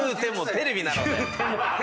テレビなので。